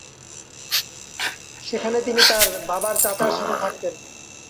সেখানে তিনি তার বাবার চাচার সাথে থাকতেন।